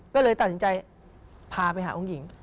ก็เลยตัดสินใจพาไปหาองค์หญิง